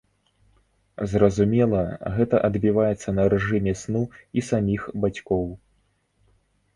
Зразумела, гэта адбіваецца на рэжыме сну і саміх бацькоў.